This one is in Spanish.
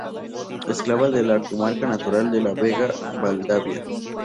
Enclavada en la comarca natural de la Vega-Valdavia.